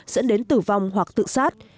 dẫn đến tử vong hoặc tự sát